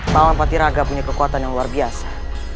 pawang patiraga punya kekuatan yang luar biasa